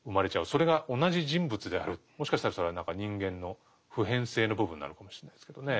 それが同じ人物であるもしかしたらそれは何か人間の普遍性の部分なのかもしれないですけどね。